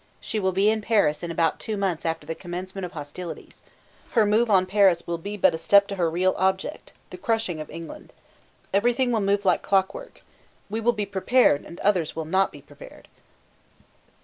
She will be in Paris in about two months after the commencement of hostilities. Her move on Paris will be but a step to her real object the crushing of England. Everything will move like clockwork. We will be prepared and others will not be prepared."